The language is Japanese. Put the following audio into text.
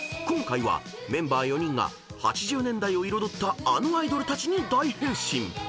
［今回はメンバー４人が８０年代を彩ったあのアイドルたちに大変身］